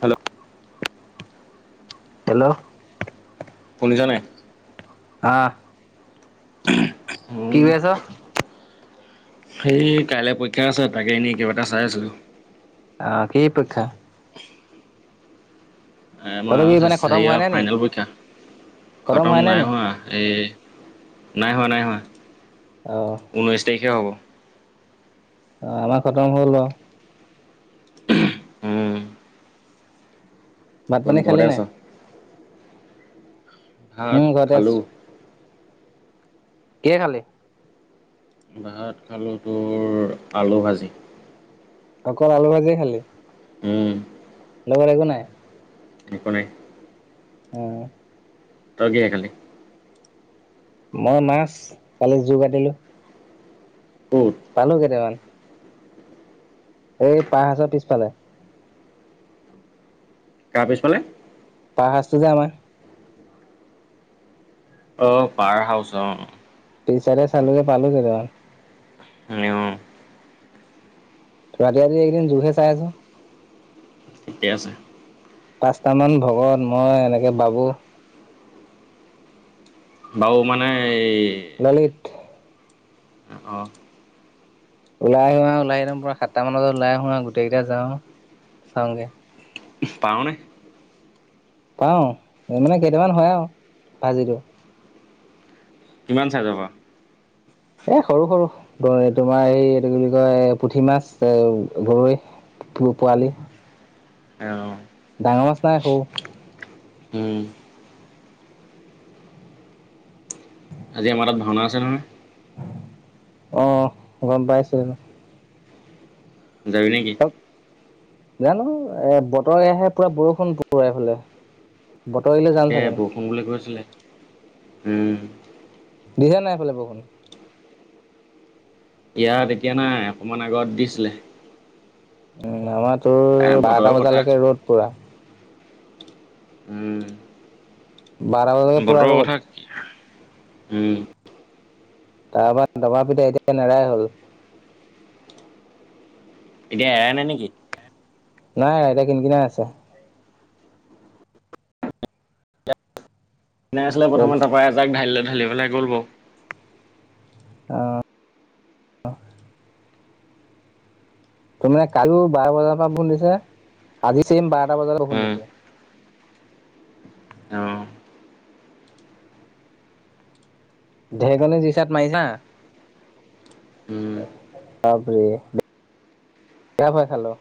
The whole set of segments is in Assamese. হেল্ল' হেল্ল' শনিছা নাই আহ কি কৰি আছ? সেই কাইলে পৰীক্ষা আছে, তাকে এনেই কিবা এটা চাই আছিলো। আহ কি পৰীক্ষা? [inaudible] আমাৰ তহঁতৰ কি মানে খতম হোৱা হেৰিঅ নাই নি ফাইনেল পৰীক্ষা, খতম নাই হোৱা, এই নাই হোৱা নাই হোৱা। অ অ ঊনৈশ তাৰিখে হ'ব। অঁ আমাৰ খতম হ'ল অঁ। উম ভাত ক'ত পানী খালি ঘৰতে আছ? নাই? ভাত উম ঘৰতে আছো খালোঁ। কিহে খালি? ভাত খালোঁ তোৰ, আলু ভাজি। অকল আলু ভাজিয়ে খালি উম লগত একো নাই। একো নাই। অম তই কিহেৰে খালি? মই মাছ, কালি যোকাটিলো। ক'ত পালো কেইটামান। এই পাৰহাজৰ পিছফালে। কা পিছফালে? পাৰহাজটো যে আমাৰ। অঁ পাৰ হাউচ অঁ পিছ চাইদে চালো যে পালো জেগা নিউ ৰাতি ৰাতি এইকেদিন জোহে চাই আছো ঠিকে আছে পাঁচট মান ভকত মই এনেকে বাবু। বাও মানে এই ললিত অহ ওলাই আহোৱা ওলাই আহি পুৰা সাতটা মান বজাত ওলাই আহোৱা গোটেই কেইটা যাওঁ চাওঁগে। পাওঁনে পাওঁ এই মানে কেইটামান হয় আ ভাজিটো কিমান চাইজৰ পাৱ? এ সৰু সৰু, গৰৈ তোমাৰ এই এইটো কি বুলি কয় পুঠি মাছ এ গৰৈ পো পোৱালি। অঁ ডাঙৰ মাছ নাই সৰু উম আজি আমাৰ তাত ভাওনা আছে নহয়। অহ গম পাইছো। যাবি নেকি? ত জানো এ বতৰ আহে পুৰা বৰষুণ পোৱা এইফালে বতৰ এৰিলে যাম তাকে চাগে বৰষুণ বুলি কৈছিলে উম দিছেনে নাই এইফালে বৰষুন ইয়াত এতিয়া নাই অকমান আগত দিছিলে উম আমাত তোৰ এ বতৰৰ বাৰটা কথা বজালৈকে ৰ'দ পুৰা উম বাৰটা বজা লৈকে পুৰা ৰ'দ উ তাৰপৰা ডবা পিটা এতিয়া নেৰাই হ'ল এতিয়া এৰাই নাই নেকি? নাই এতিয়া কিন কিনাই আছে নাই আছিলে প্ৰথমে তাৰ পৰা এজাক ঢাৰ লৈ ঢালি পেলাই গ'ল গ আহ ত মানে কাৰো বাৰ বজাৰ পৰা বুল দিছে আজি চেম বাত বজাৰ খুন্দ উম দিছে অ ঢেৰকনী জুইচাত মাৰিছা [inaudible] উম তাপৰে [unintelligible] বৰ ভয় খালো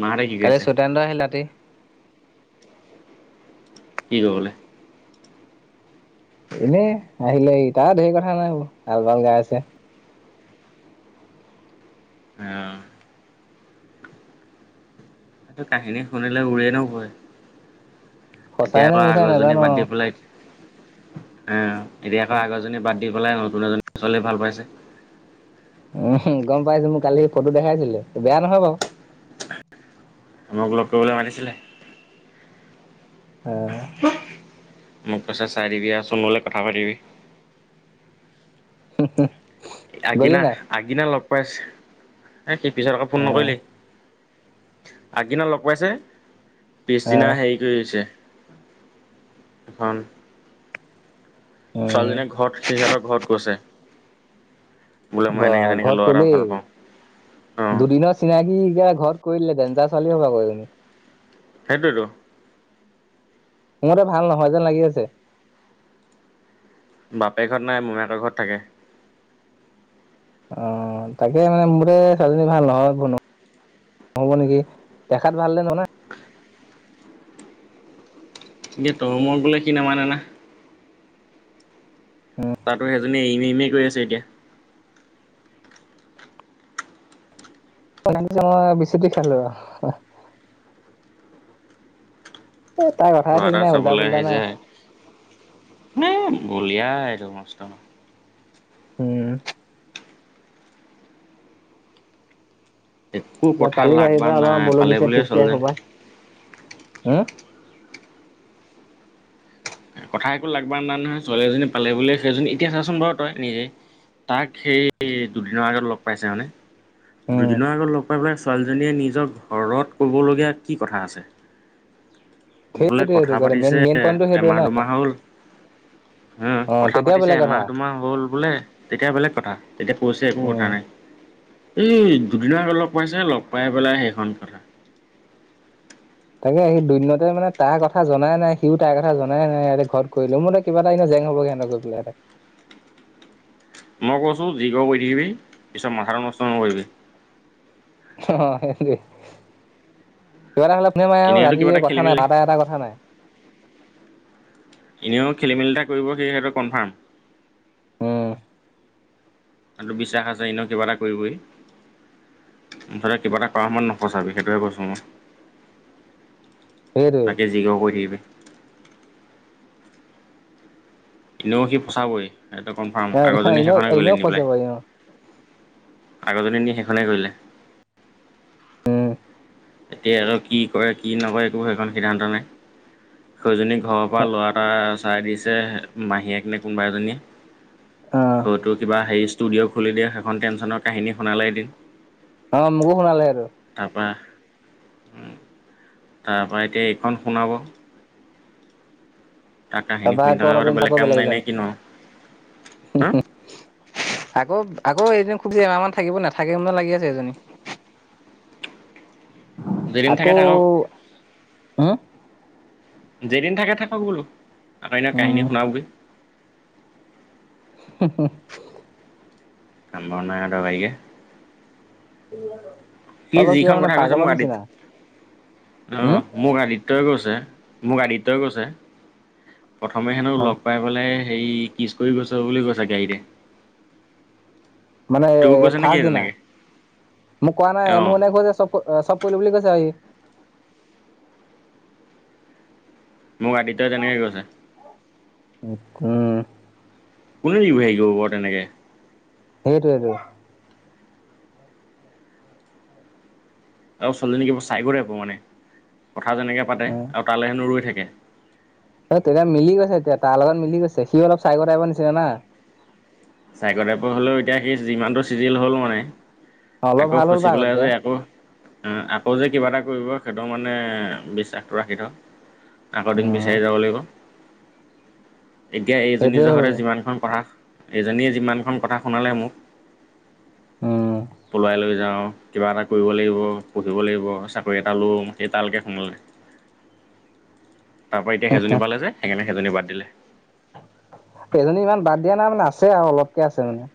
মাহঁতে কি কৰি কালি আছে চৈতান্ত আহিল ৰাতি কি কৰীলে? এনে আহিলে তাৰ ঢেৰ কথা নাই, আল বাল গাই আছে। অ তটো কাহিনী শুনিলে উৰে [unintelligible] ধিৰিবগৈ। এতিয়া সঁচাই নে আকৌ মিছাই আগৰজনী নাজানো বাদ আৰু। দি পেলাই উম। এতিয়া সেই আগৰজনী বাদ চিলি। দি পেলাই নতুন এজনী [unintelligible] ছোৱালী ভাল পাইছে? উম গম পাইছো মোক কালি ফটো দেখাইছিলে বেয়া নহয় বাৰু। মূৰ লক কৰিবলে [unintelligible] আনিছিলে। হ! মোক কৈছে চাই দিবি অহ চোন কথা পাতিবি। হ হু আগদিনা আগদিনা লগ বচ? এই সিল্পিলক আকৌ ফোন অ', নকৰিলেই? আগদিনা লগ পাইছে পিছদিনা অ', হেৰি কৰিছে। দুখন উম। ছোৱালীজনীয়ে ঘৰত সিহঁতৰ ঘৰত গৈছে। বোলে মই বা এনেকে তেনেকে ঘৰত ল'ৰা এটা কলেই ভাল পাওঁ অ দুদিনৰ চিনাকি কা ঘৰত কৈ দিলে দেঞ্জাৰ ছোৱালী হব আকৌ এইজনী সেইটোৱেটো সিহঁতে ভাল নহয় যেন লাগি আছে বাপেক হত নাই মোমাইকৰ ঘৰত থাকে অ তাকে মানে মোৰ মতে ছোৱালীজনী ভাল নহয় নেকি নহ'ব নেকি দেখাত ভাল হ'লে নহ'ব নহয় এতিয়া তই মই কলে সি নামানে না তাতো সেইজনী ই মিমেই কৰি আছে এতিয়া। অনলাইন চনলাইন বেছিকে খেলে অহ এ তাৰ কথাই ল'ৰা ঠিক এটা নাই উল্টা চাবলৈ ফুল্টা না? আহিছে বলিয়াই এডাল মস্ত। উম। একো বা কথা কালি লাগ আহি বান নাই পালে বুলিয়ে ছোৱালীজনী হে? কথা একো লাগ বান নাই নহয় ছোৱালী এজনী পালে বুলিয়েই সেইজনী এতিয়া চাচোন বাৰু তই নিজে তাক সেই দুদিনৰ আগত লগ পাইছে মানে? উম দুদিনৰ আগত লগ পাই পেলাই ছোৱালীজনীয়ে নিজৰ ঘৰত ক'বলগীয়া কি কথা আছে বোলে সেইটোৱে কথা টো কাৰে পাতিছে মেইন মেইন পইণ্টো সেইটোৱে এমাহ ন দুমাহ হল হে অ কথা তেতিয়া পাতিছে বেলেগ এমাহ কথা দুমাহ হ'ল বোলে তেতিয়া বেলেগ কথা তেতিয়া কৈছে একো কথা উম নাই এই দুদিনৰ আগত লগ পাইছে লগ পাইছে পেলাই সেইখন কথা তাকে সি দুদিনতে মানে তাৰ কথা জনাই নাই সিও তাইৰ কথা জনাই নাই ইতে ঘৰত কৰিলো মোৰ মতে কিবা এটা এনে জেং হবগে এনেও গৈ পেলাই সেত মই কৈছো যি কৰ কৰি থাকিবি পিছত মাথাটো নষ্ট নকৰিবি অ হেটোৱে কিবা এটা হ'লে ফোনে মাই আও এনেইতো ৰাতি কিবা এটা খেলি কথা নাই মেলি বাৰটা এটা কথা নাই এনেও খেলিমেলি এটা কৰিব সি সেইটো কনফাৰ্ম উম সিটো বিশ্বাস আছে এনেও কিবা এটা কৰিবই মুঠতে কিবা এটা কৰাৰ সময়ত নফচাবি সেইটোৱে কৈছোঁ মই সেইটোৱে বাকি যি কৰ কৰি থাকিবি এনেও সি ফচাবই এইটো কনফাৰ্ম অ আগৰজনী এনেও সেইখনে কৰিলে এনেও নি ফচাব পেলাই ই অ আগজনী নি সেইখনেই কৰিলে উম এতিয়াতো কি কৰে কি নকৰে একো সেইখন সিদ্ধান্ত নাই সেইজনীক ঘৰৰ পৰা ল'ৰা এটা চাই দিছে মাহীয়েক নে কোনোবা এজনীয়ে অ হয়তো কিবা হেৰি ষ্টুডিঅ' খুলি দিয়ে সেইখন টেনশ্যনৰ কাহিনী শুনালে এদিন অ মোকো শুনালে হেটো তাৰপৰা তাৰপৰা এতিয়া এইখন শুনাব তাৰ কাহিনী তাৰপা শুনি আকৌ থকাৰ [unintelligible] আগতে চা আকৌ কাম বেলেগ নাই নে এজনি কিনো হো হা হো আকৌ আকৌ এদিন খুব বেছি এমাহ মান থাকিব নাথাকে মানে লাগি আছে এজনী। যে দিন থাকে থাকক হা যেদিন থাকে থাকক বোলো আকাইনা কাহিনী উম শুনাওক গৈ হো হো কাম বন নাই আৰু বাইগে [unintelligible] সি কিবা যিখন মানে কথা কৈছে পাগলৰ মোক আদিত নিচিনা অ উম মোক আদিত্যই কৈছে মোক আদিত্যই কৈছে প্ৰথমে হেনো অ লগ পাই পেলাই সেই কিচ কৰি গৈছে বুলি কৈছে গাড়ীতে মানে তোকো কৈছে নেকি ফাছ দিনা তেনেকে মোক কোৱা নাই অ' মোৰ এনেয়ে কৈ যে চব চব কৰিলো বুলি কৈছে আৰু সি মোক আদিত্য যেনেকে কৈছে উম কোনে দিব হেৰি কৰিব বাৰু তেনেকে। সেইটোৱেটো। আৰু ছোৱালী জনি কিবা চাই গৰে আব মানে। কথা যেনেকৈ পাতে আৰু তালৈ হেনো ৰৈ থাকে। এ তেতিয়া মিলি গৈছে এতিয়া তাৰ লগত মিলি গৈছে সি অলপ চাই কটাব নিচিনা না। চাইকটাইপ হ'লেও এতিয়া সেই যিমানটো চিজিল হ'ল মানে। অ', অলপ ভাল হ'ল বা আগতকে। অ আকৌ যে কিবা এটা কৰিব সেইটো মানে বিশ্বাসটো ৰাখি থও। আগৰ দিন উম বিচাৰি যাব লাগিব। এতিয়া এইজনী সেইটোয়ে জহতে হ'বগে যিমানখন পঢ়া। এইজনীয়ে যিমানখন কথা শুনালে মোক উম পলুৱাই লৈ যাওঁ কিবা এটা কৰিব লাগিব পঢ়িব লাগিব চাকৰি এটা লম সেই তালকে শুনালে। তাৰ পৰা এতিয়া সেইজনী পালে যে সেইকাৰণে সেইজনী বাদ দিলে। এজনী ইমান বাদ দিয়া নাই মানে আছে আৰু অলপকে আছে মানে।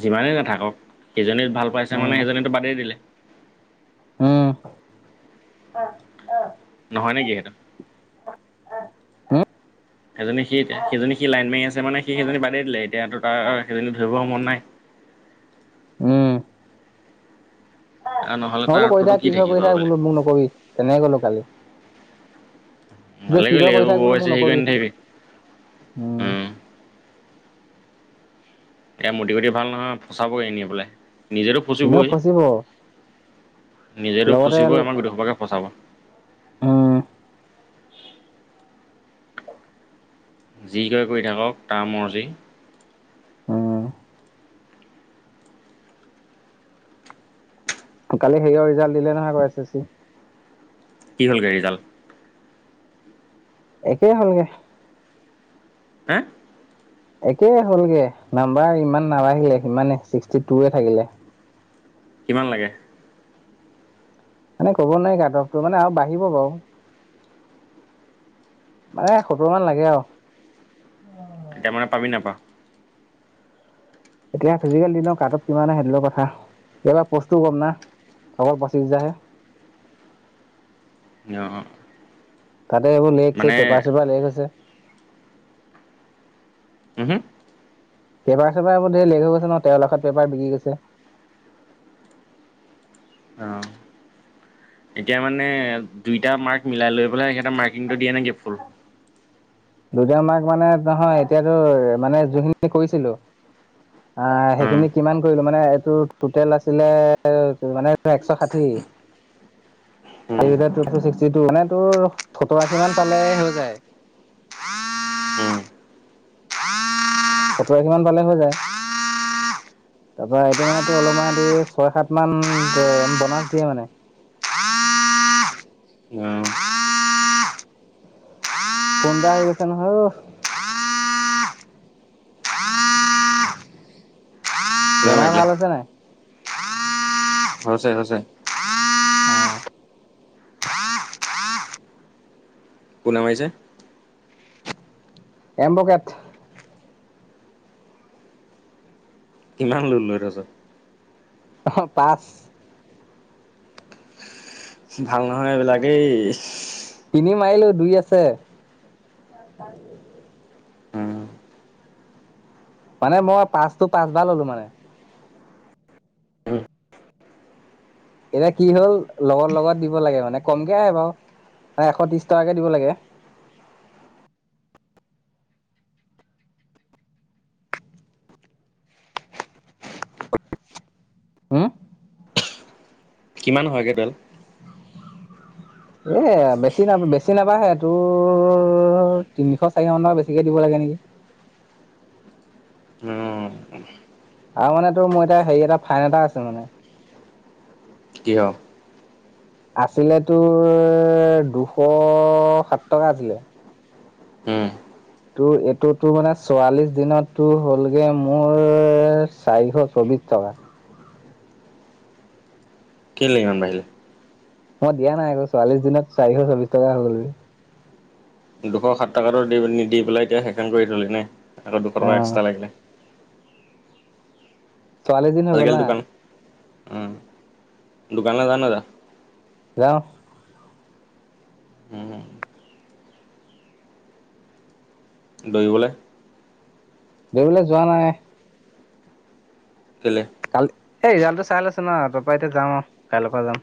যিমানে নাথাকক সেইজনি ভাল পাইছে মানে উম সেজনীটো বাদেই দিলে। উম। হয় নেকি সেইটো। উম এজনী সেই এতিয়া সেইজনী সি লাইন মাৰি আছে মানে সি সেইজনী বাদেই দিলে এত- হেইটো তাৰ সেইজনিন ধৰিব মন নাই। উম। আৰু নহ'লে তাৰ নহ'লো কৰি অৰ্থটো থাক কি হয় থাকিব কৰি থাকে বেলেগ বোলো মোৰ নকবি তেনেকে গলো কালি কি ক ভালে কি কৰিলি হয় কৰি এইবোৰ থাক বৰ বোলো বেছি মোৰ হেৰি কৰি নকবি উম। নাথাকিবি এতিয়া মটি খুটি ভাল নহয় ফচাবগৈ এনে পেলাই। নিজো এনেও ফচিবই ফচিব নিজেতো লগতে ফচিবই আমাৰ গোটেইখোপাকে ফচাব। উম। যিকৈ কৰি থাকক তাৰমৰ্জি। উম কালি সেয়ও ৰিজাল্ট দিলে নহয় এই এছ এছ চি। কি হ'ল ৰিজাল্ট। একেই হ'লগে। হা। একে হ'লগে নাম্বাৰ ইমান নাৰালে সিমানে ছিক্সটি টু হে থাকিলে। কিমান লাগে। মানে ক'ব নোৱাৰি গাধৱটো মানে আৰু বাঢ়িব বাৰু। মানে সত্তৰ মান লাগে আৰু। এতিয়া মানে পাবি নাপা। এতিয়া ফিজিকেল দিনৰ কাতঅফ কিমান আহে সেইটোহে কথা, কাবা পস্তু গম না আগৰ বাচি যাহে। অ। তাতে এইবোৰ লেকছে পেপাৰ চেপাৰ লেক আছে। হু হু পেপাৰ চেপাৰোৰ ধেৰ লেক হৈ গৈছে ন তেৰ লাখত পেপাৰ বিকি গৈছে অঁ এতিয়া মানে দুইটা মাৰ্ক মিলাই লৈ পেলাই সখেতে মাৰ্কিংটো দিয়ে নেকি ফুল দুতা মাক মানে নহয় এতিয়াতো মানে যোনখিনি কৰিছিলো অ অঁ সেইখিনি কিমান কৰিলো মানে টুটেল আছিলে মানে একশ ষাঠি উম যিটো মানে তোৰ শতো আশি মন পালে হৈ যায় অ উম সতৰাশী মান ভালে হৈ যায় তাৰপ মান অলপমান ছয় সাত মান বনছ দিয়ে মানে আহ ফোনতা আহি গৈছে নহয় কোনে বেমাৰ মাৰিলে ভাল আছে ন আহ হ হৈছে হৈছে ক নমাইছে এবকাত কিমান লুল লৈ থছ পাঁচ ভাল নহয় এইবিলাক দেই তিনি মাইলো দুই আছে মানে মই পাঁচটো পাঁচবাৰ ললো মানে এতিয়া কি হল লগৰ লগত দিব লাগে মানে কমকে আহ বাৰু এশ ত্ৰিশ টকাকে দিব লাগে। হম', কিমান হয়গে তেল। এহ', বেছি ন বেছি নাম। তাহে তোৰ তিনিশ চাৰি ম টকা বেছিকে দিব লাগে নেকি। আৰু মানে তোৰ মোৰ এতিয়া হেৰি এটা ফাইন এটা আছে মানে। কিয়? আছিলে তোৰ, দুশ সাত টকা আছিলে। হম', তোৰ এইটোতো মানে চৰাাল্লিশ দিনতটো হ'লগে মোৰ চাৰিশ চৌবিশ টকা। কি লাগিমান বাহিলে। মই দিয়া নাই আৰু চোৱাল্লিশ দিনত চাৰিশ চৌবিশ টকা হৈ গল বে দুশ সাত টকাতো দি -দি পেলাই এতিয়া সেখনন কৰি থলি নে? আৰু দুশ টকা অ' এক্সট্ৰা লাগিলে। চোৱালিছ দিন হৈ গ'ল আজিকালি ন। দোকানত যা নে নাযা? যাওঁ। দৌৰিবলে? দেৰিবলৈ যোৱা নাই। কেলে? কাল এই ৰিজাল্টটো চাই লৈছোন ন তাৰপ পৰা এতিয়া যাম আৰু কাইলৈৰ পৰা যাম।